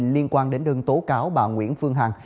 liên quan đến đơn tố cáo bà nguyễn phương hằng